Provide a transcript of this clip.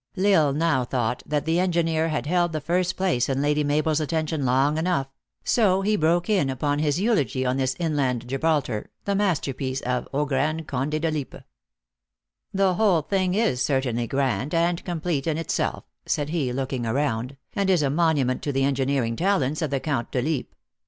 L Isle now thought that the engineer had held the first place in Lady Mabel s attention long enough ; so he broke in upon his eulogy on this inland Gibraltar, the master piece of " o gran Conde de Lippe" "The whole thing is certainly grand and complete in itself," said he, looking around ; u and is a monu ment to the engineering talents of the Count deLippe.